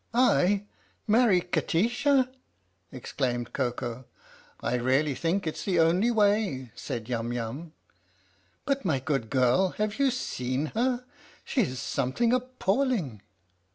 "I marry Kati sha!" exclaimed Koko. " I really think it 's the only way," said Yum Yum. " But, my good girl, have you seen her? She's something appalling